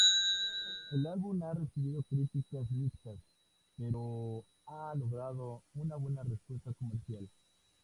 El álbum ha recibido críticas mixtas, pero ha logrado una buena respuesta comercial.